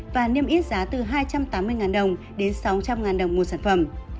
và nêm ít giá từ hai trăm tám mươi đồng đến sáu trăm linh đồng một sản phẩm